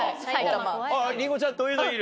りんごちゃんどういうのいる？